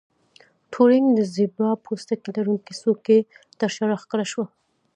ټورینګ د زیبرا پوستکي لرونکې څوکۍ ترشا راښکاره شو